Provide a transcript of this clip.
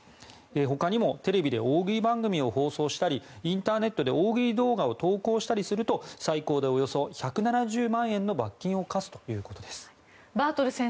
ほかにもテレビで大食い番組を放送したりインターネットで大食い動画を投稿したりすると最高でおよそ１７０万円の罰金を科すということです。